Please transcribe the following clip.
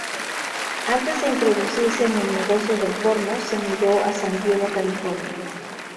Antes de introducirse en el negocio del porno, se mudó a San Diego, California.